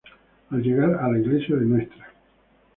Al llegar a la Iglesia de Ntra.